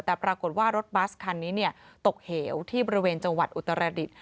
แต่ปรากฏว่ารถบัสคันนี้ตกเหวที่บริเวณจังหวัดอุตรดิษฐ